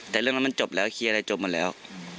แต่เรื่องนั้นมันจบแล้วเคลียร์อะไรจบหมดแล้ว